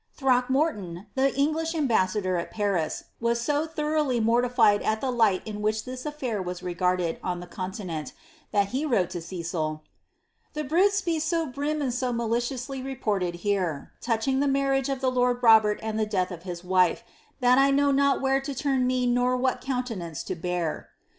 "* Throckmorton, the English ambassador at Paris, was so thoroughly morli(ied at the light in which this afl&ir was regarded on the continent, that he wrote to Cecil, *^The bruits be so brim and so maliciously reported here, touching the marriage of the lord Robert and the death of his wife, tliat 1 know not where to turn me nor what countenance to bear."'